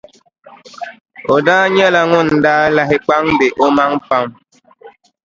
O daa nyɛla ŋun daa lahi kpaŋdi o maŋa pam.